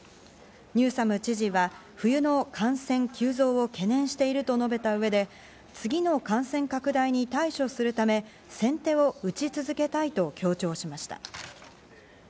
ニューサム知事は冬の感染急増を懸念していると述べた上で、次の感染拡大に対処するため、先手を打ち続けたいと強調しました。